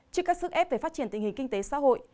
trước các sức ép về phát triển tình hình kinh tế xã hội